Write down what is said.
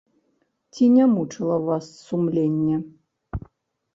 Ці не мучыла вас сумленне?